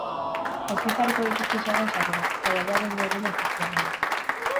Aurki jarriko dituzte salgai sarrerak, jaialdiaren webgune ofizialean.